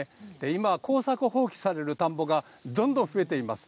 今、耕作放棄される田んぼがどんどん増えています。